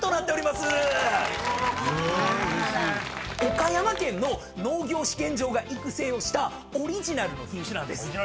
岡山県の農業試験場が育成をしたオリジナルの品種なんです。